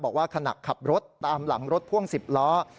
บอกว่าขณะขับรถตามหลังรถพ่วง๑๐ล้อ